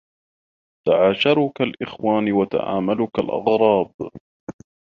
تعاشروا كالإخوان وتعاملوا كالأغراب